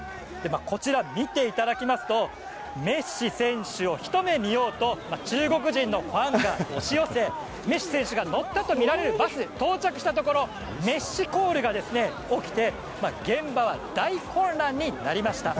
こちら見ていただきますとメッシ選手をひと目見ようと中国人のファンが押し寄せメッシ選手が乗ったとみられるバスが到着したところメッシコールが起きて現場は大混乱になりました。